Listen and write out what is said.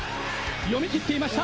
読み切っていました！